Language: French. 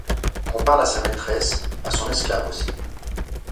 Qu'on parle à sa maîtresse, à son esclave aussi ;